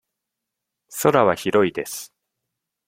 空は広いです。